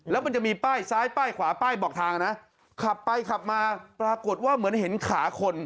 แล้วมันจะมีป้ายซ้ายป้ายขวาป้ายบอกทางนะขับไปขับมาปรากฏว่าเหมือนเห็นขาคน